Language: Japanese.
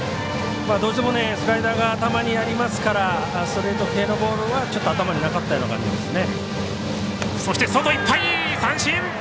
どうしても、スライダーが頭にありますからストレート系のボールは頭になかったような感じですね。